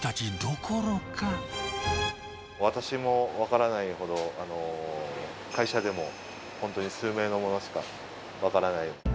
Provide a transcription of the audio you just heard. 私も分からないほど、会社でも本当に数名の者しか分からない。